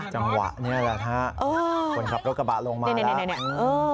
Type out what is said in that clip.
จังหวะเนี้ยแหละค่ะเออคนขับรถกระบะลงมาเนี้ยเนี้ยเนี้ยเออ